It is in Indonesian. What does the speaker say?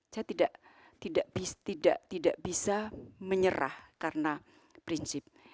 saya tidak bisa menyerah karena prinsip